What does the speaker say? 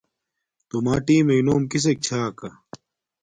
تُمݳ ٹݵٍمݵئ نݸم کِسݵک چھݳکݳ؟